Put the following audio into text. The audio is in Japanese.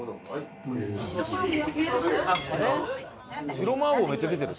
白麻婆めっちゃ出てる。